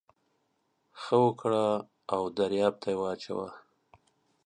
ښه وکه و درياب ته يې واچوه.